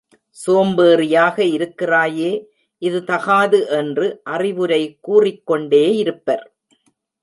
சோம்பேறியாக இருக்கிறாயே இது தகாது என்று அறிவுரை கூறிக் கொண்டே இருப்பர்.